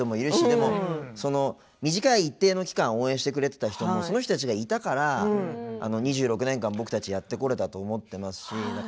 でも、短い一定の期間を応援してくれてた人もその人たちがいたから２６年間、僕たちやってこれたと思っているので。